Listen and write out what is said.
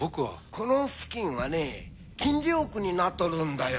この付近はね禁猟区になっとるんだよ。